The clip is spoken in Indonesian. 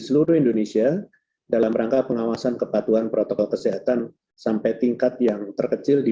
seluruh indonesia dalam rangka pengawasan kepatuhan protokol kesehatan sampai tingkat yang terkecil di